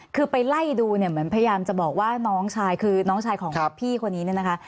คือไปไล่ดูเนี่ยเหมือนพยายามจะบอกว่าน้องชายคือน้องชายของพี่คนนี้เนี่ยนะคะ